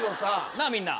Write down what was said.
なあみんな。